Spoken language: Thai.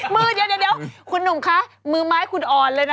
มือเดี๋ยวคุณหนุ่มคะมือไม้คุณอ่อนเลยนะ